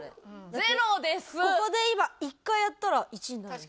ここで今１回やったら１になるんですよ。